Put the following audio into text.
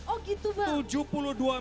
oh gitu bang